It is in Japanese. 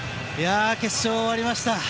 決勝、終わりました。